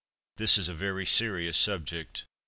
This is a very serious subject.